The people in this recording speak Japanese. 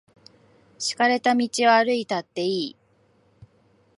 敷かれた道を歩いたっていい。